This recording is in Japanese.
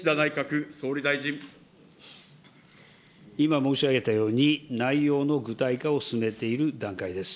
今申し上げたように、内容の具体化を進めている段階です。